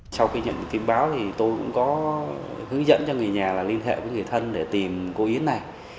sau khi nhận được tin báo thì tôi cũng có hướng dẫn cho người nhà là liên hệ với người thân để tìm cô yến này